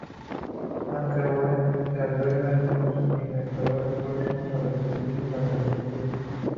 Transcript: Juan T. Roig" se alberga en unos e invernaderos próximos a los edificios administrativos.